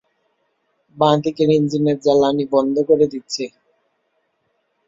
বাঁ-দিকের ইঞ্জিনের জ্বালানি বন্ধ করে দিচ্ছি।